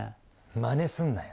まねすんなよ。